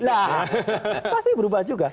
nah pasti berubah juga